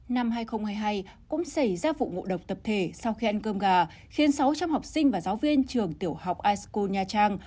năm hai nghìn hai mươi hai cũng xảy ra vụ ngộ độc tập thể sau khi ăn cơm gà khiến sáu trăm linh học sinh và giáo viên trường tiểu học isko nha trang